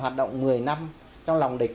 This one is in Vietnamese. hoạt động một mươi năm trong lòng địch